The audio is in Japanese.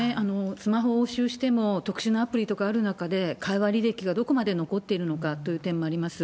スマホを押収しても、特殊なアプリとかある中で、会話履歴がどこまで残っているのかという点もあります。